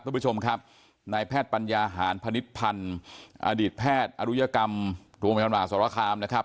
ท่านผู้ชมครับนายแพทย์ปัญญาหารพนิษภัณฑ์อดีตแพทย์อรุยกรรมทวงบัญญาณหาสรคามนะครับ